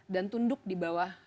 dan tunduk di bawah